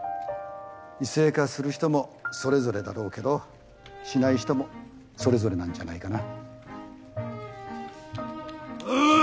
異性化する人もそれぞれだろうけどしない人もそれぞれなんじゃないかな。